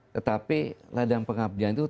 tetapi ladang pengabdian itu